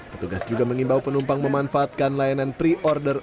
petugas juga mengimbau penumpang memanfaatkan layanan pre order